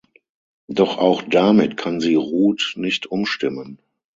Doch auch damit kann sie Ruth nicht umstimmen.